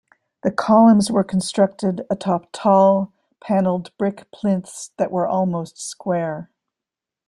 The columns were constructed atop tall, paneled brick plinths that were almost square.